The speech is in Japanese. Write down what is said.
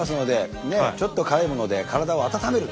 ちょっと辛いもので体を温める。